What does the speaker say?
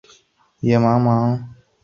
濡须吴氏四世吴景昭之长子。